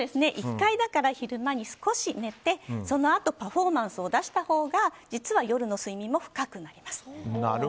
１回、昼間に少し寝てそのあとパフォーマンスを出したほうが実は夜の睡眠も深くなります。